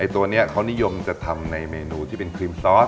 ตัวนี้เขานิยมจะทำในเมนูที่เป็นครีมซอส